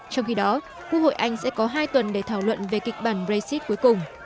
trong khi đó quốc hội anh sẽ có hai tuần để thảo luận về kịch bản brexit cuối cùng